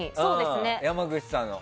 山口さんの。